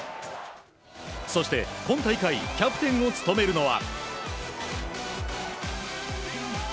そして今大会キャプテンを務めるのは。